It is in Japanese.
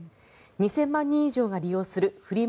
２０００万人以上が利用するフリマ